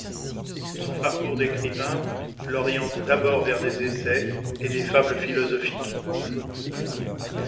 Son parcours d’écrivain l’oriente d’abord vers des essais et des fables philosophiques.